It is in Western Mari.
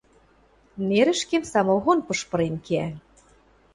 нерӹшкем самогон пыш пырен кеӓ.